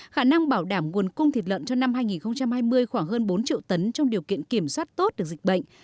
khả năng bảo đảm nguồn cung thịt lợn cho năm hai nghìn hai mươi khoảng hơn bốn triệu tấn trong điều kiện kiểm soát tốt được dịch bệnh